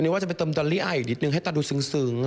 ว่าจะไปเติมดอลลี่อายอีกนิดนึงให้ตาดูซึ้ง